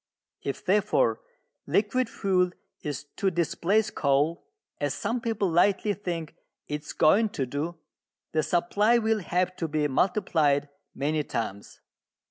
If, therefore, liquid fuel is to displace coal, as some people lightly think it is going to do, the supply will have to be multiplied many times.